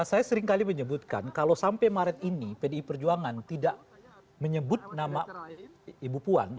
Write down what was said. saya seringkali menyebutkan kalau sampai maret ini pdi perjuangan tidak menyebut nama ibu puan